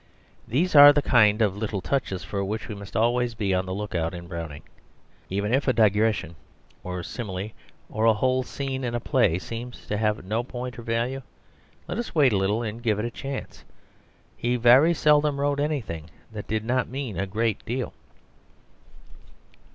These are the kind of little touches for which we must always be on the look out in Browning. Even if a digression, or a simile, or a whole scene in a play, seems to have no point or value, let us wait a little and give it a chance. He very seldom wrote anything that did not mean a great deal.